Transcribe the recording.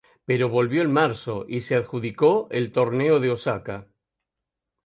Pero volvió en marzo y se adjudicó el torneo de Osaka.